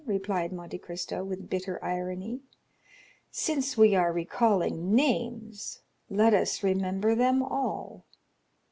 replied Monte Cristo, with bitter irony; "since we are recalling names, let us remember them all."